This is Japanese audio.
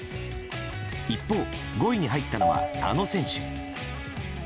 一方、５位に入ったのはあの選手。